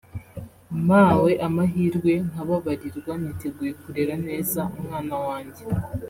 mpawe amahirwe nkababarirwa niteguye kurera neza umwana wanjye